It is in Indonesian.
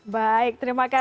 baik terima kasih